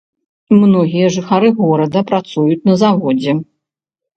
Многія жыхары горада працуюць на заводзе.